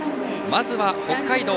まずは北海道。